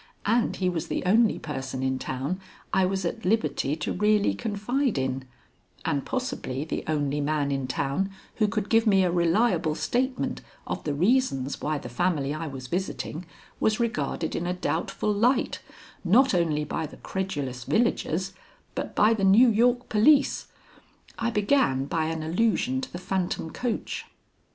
And he was the only person in town I was at liberty to really confide in, and possibly the only man in town who could give me a reliable statement of the reasons why the family I was visiting was regarded in a doubtful light not only by the credulous villagers, but by the New York police. I began by an allusion to the phantom coach.